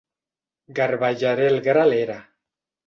Garbellaré el gra a l'era.